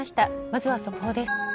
まずは速報です。